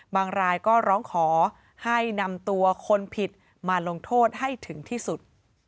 รายก็ร้องขอให้นำตัวคนผิดมาลงโทษให้ถึงที่สุด